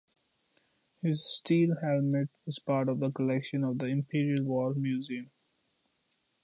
His steel helmet is part of the collection of the Imperial War Museum.